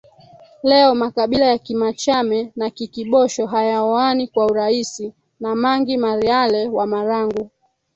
leo makabila ya Kimachame na Kikibosho hayaoani kwa urahisi na Mangi Marealle wa Marangu